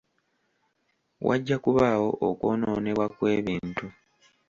Wajja kubaawo okwonoonebwa kw'ebintu.